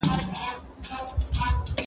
شګه پاکه کړه!